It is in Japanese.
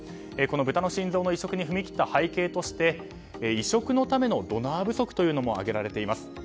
この豚の心臓の移植に踏み切った背景として移植のためのドナー不足も挙げられています。